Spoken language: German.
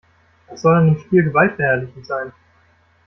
Was soll an dem Spiel gewaltverherrlichend sein?